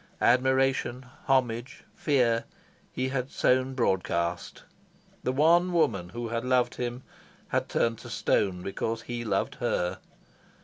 Admiration, homage, fear, he had sown broadcast. The one woman who had loved him had turned to stone because he loved her.